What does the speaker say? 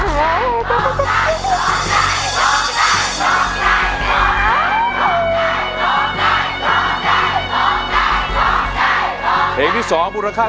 ร้องได้ร้องได้ร้องได้ร้องได้ร้องได้ร้องได้